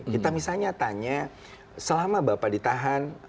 kita misalnya tanya selama bapak ditahan